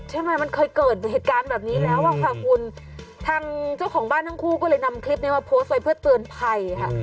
ไม่เคยเกิดเหตุการณ์แบบนี้แล้วอ่ะค่ะคุณทางเจ้าของบ้านทั้งคู่ก็เลยนำคลิปนี้มาโพสต์ไว้เพื่อเตือนภัยค่ะ